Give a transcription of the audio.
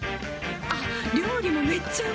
あっ料理もめっちゃうまい！